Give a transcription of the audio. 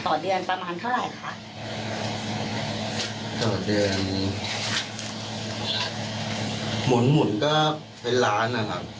ต่อเดือนอะหรอคะต่อเดือนเป็นล้าน